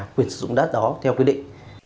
quyền sử dụng đất đó theo quy định